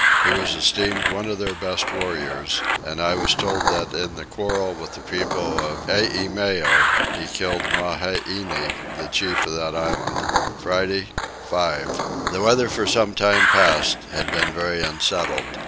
He was esteemed one of their best warriors; and I was told that in the quarrel with the people of Eimeo he killed Maheine the chief of that island. Friday 5. The weather for some time past had been very unsettled.